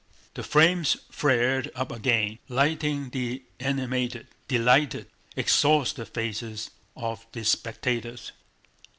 The flames flared up again, lighting the animated, delighted, exhausted faces of the spectators.